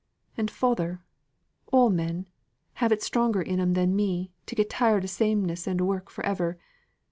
And father all men have it stronger in 'em than me to get tired o' sameness and work for ever.